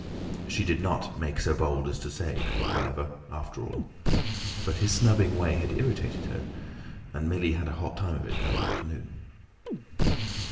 She did not "make so bold as to say," however, after all. But his snubbing way had irritated her, and Millie had a hot time of it that afternoon.